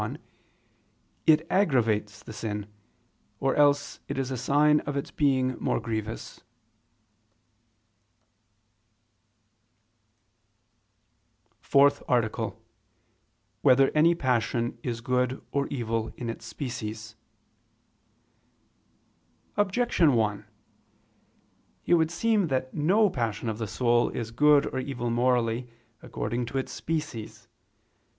1), it aggravates the sin, or else it is a sign of its being more grievous. ________________________ FOURTH ARTICLE [I II, Q. 24, Art. 4] Whether Any Passion Is Good or Evil in Its Species? Objection 1: It would seem that no passion of the soul is good or evil morally according to its species.